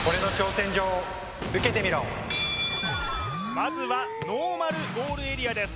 まずはノーマルゴールエリアです